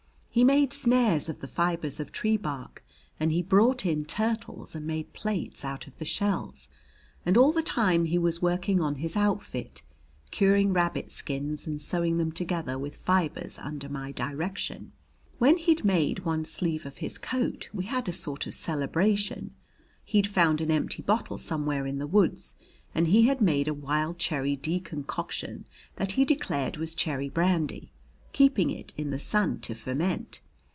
He made snares of the fibers of tree bark, and he brought in turtles and made plates out of the shells. And all the time he was working on his outfit, curing rabbit skins and sewing them together with fibers under my direction. When he'd made one sleeve of his coat we had a sort of celebration. He'd found an empty bottle somewhere in the woods, and he had made a wild cherry decoction that he declared was cherry brandy, keeping it in the sun to ferment.